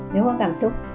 nếu có cảm xúc